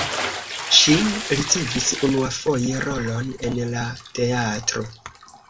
Ŝi ricevis unuafoje rolon en la teatro.